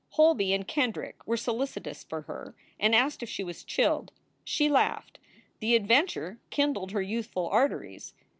Holby and Kendrick were solicitous for her and asked if she was chilled. She laughed. The adventure kindled her youthful arteries.